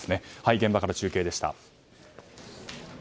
現場から中継でした。